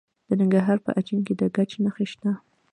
د ننګرهار په اچین کې د ګچ نښې شته.